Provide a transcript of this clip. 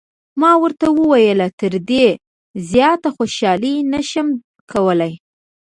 ما ورته وویل: تر دې زیاته خوشحالي نه شم کولای.